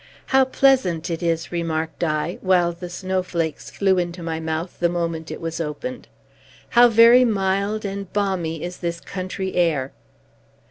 "How pleasant it is!" remarked I, while the snowflakes flew into my mouth the moment it was opened. "How very mild and balmy is this country air!"